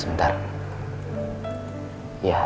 saya mau melaporkan progres produknya tadi